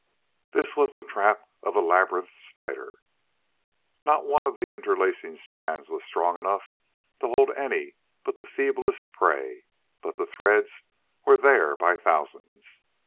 This was the trap of a labyrinth spider. Not one of the interlacing strands was strong enough to hold any but the feeblest prey, but the threads were there by thousands.